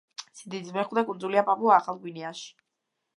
სიდიდით მეხუთე კუნძულია პაპუა-ახალ გვინეაში.